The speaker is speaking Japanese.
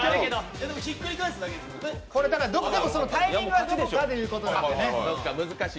タイミングはどこかということですね。